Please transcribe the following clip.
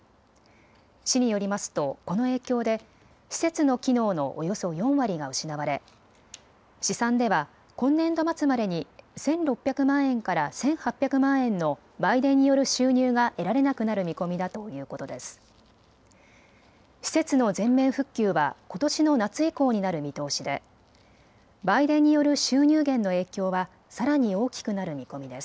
市によりますとこの影響で施設の機能のおよそ４割が失われ試算では今年度末までに１６００万円から１８００万円の売電による収入が得られなくなる見込みだということです。